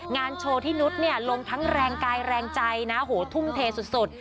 งานโชว์ที่นุษย์เนี่ยลงทั้งแรงกายแรงใจนะโหทุ่มเทสุด